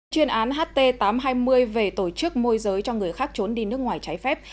chuyên án ht tám trăm hai mươi về tổ chức môi giới cho người khác trốn đi nước ngoài trái phép